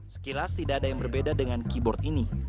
sekilas tidak ada yang berbeda dengan keyboard ini